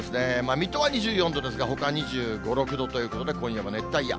水戸は２４度ですが、ほか２５、６度ということで、今夜も熱帯夜。